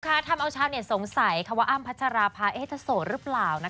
ค่ะทำเอาชาติเนี่ยสงสัยความอ้ำพัชราพาเอเทศสดหรือเปล่านะคะ